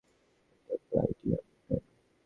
এটা প্যালাডিয়াম, তাই না?